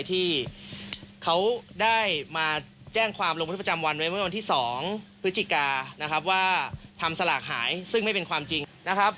ที่เขาได้มาแจ้งความลงบันทึกประจำวันไว้เมื่อวันที่๒พฤศจิกานะครับว่าทำสลากหายซึ่งไม่เป็นความจริงนะครับ